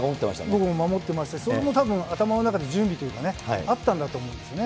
僕も守ってました、それもたぶん、頭の中で準備というかあったんだと思うんですよね。